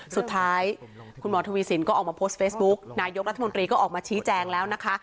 สุดท้ายคุณหมอทวีสินก็ออกมาโพสต์เฟซบุ๊กนายกรัฐมนตรีก็ออกมาชี้แจงแล้วนะคะ